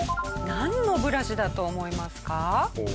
なんのブラシだと思いますか？